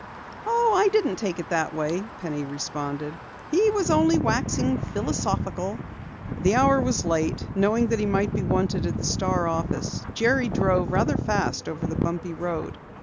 "Oh, I didn't take it that way," Penny responded. "He was only waxing philosophical." The hour was late. Knowing that he might be wanted at the Star office, Jerry drove rather fast over the bumpy road.